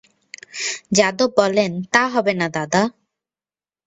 যাদব বলেন, তা হবে না দাদা?